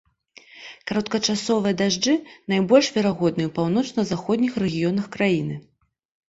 Кароткачасовыя дажджы найбольш верагодныя ў паўночна-заходніх рэгіёнах краіны.